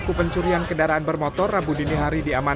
ketika pencurian celana dianggap penyelamat penyelamat dianggap penyelamat